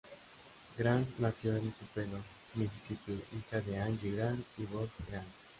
Grant nació en Tupelo, Misisipi, hija de Angie Grant y Bob Grant.